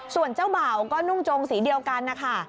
ส่วนเจ้าบ่าวก็นุ่งจงสีเดียวกันนะคะ